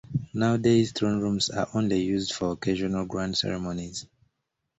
Nowadays throne rooms are only used for occasional grand ceremonies.